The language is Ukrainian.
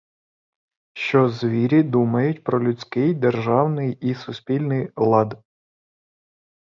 Що звірі думають про людський державний і суспільний лад?